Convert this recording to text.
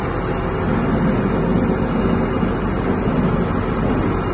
om vile vile kupitia kwa redio washirika